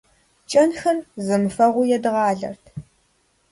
КӀэнхэр зэмыфэгъуу едгъалэрт.